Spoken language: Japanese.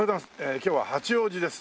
今日は八王子です。